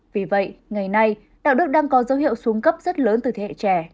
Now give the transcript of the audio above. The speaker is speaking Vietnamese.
vì vậy ngày nay đạo đức đang có dấu hiệu xuống cấp rất lớn từ thế hệ trẻ